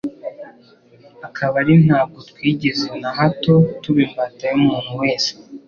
akaba ari ntabwo twigeze na hato tuba imbata y'umuntu wese,